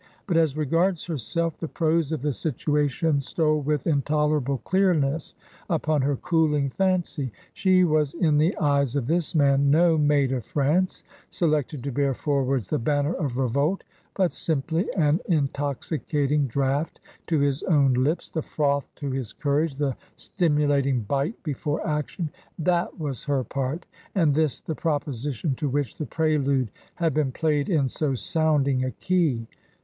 But as regards herself, the prose of the situation stole with intolerable clearness upon her cooling fancy :— she was in the eyes of this man no Maid of France selected to bear forwards the banner of revolt, but simply an intoxicating draught to his own lips, the froth to his courage, the stimulating bite before action. That was her part, and this the proposition to which the prelude had been played in so sounding a key.